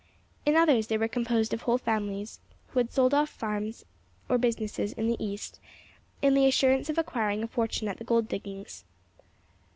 In others they were composed of whole families, who had sold off farms or businesses in the east in the assurance of acquiring a fortune at the gold diggings.